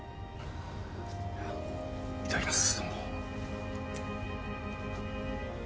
いただきます。